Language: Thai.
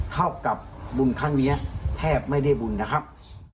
เท่ากับบุญครั้งนี้แทบไม่ได้บุญนะครับ